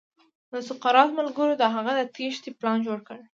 د سقراط ملګرو د هغه د تېښې پلان جوړ کړ.